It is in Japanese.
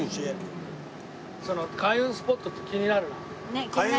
その開運スポットって気になるな。